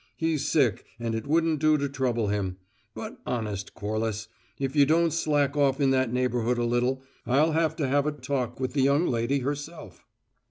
He's sick and it won't do to trouble him; but honest, Corliss if you don't slack off in that neighbourhood a little, I'll have to have a talk with the young lady herself."